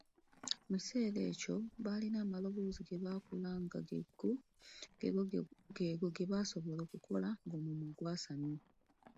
Mu kiseera ekyo balina amaloboozi ge bakola nga g’ego ge basobola okukola ng’omumwa gwasamye.